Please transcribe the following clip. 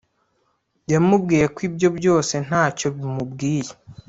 yamubwiye ko ibyo byose ntacyo bimubwiye